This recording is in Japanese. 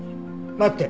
待って。